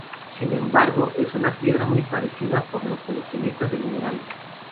Sin embargo es una piedra muy apreciada por los coleccionistas de minerales.